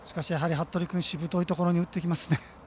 服部君、しぶといところに打っていきますね。